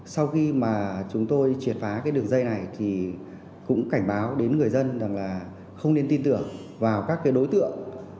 sau khi mà chúng tôi triệt phá cái đường dây này thì cũng cảnh báo đến người dân rằng là không nên tin tưởng vào các cái đối tượng